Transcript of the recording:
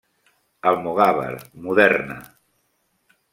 Almogàver, Moderna.